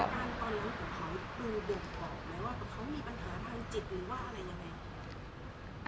ตอนนั้นของเขาคือเด็กบอกไหมว่าเขามีปัญหาทางจิตหรือว่าอะไรยังไง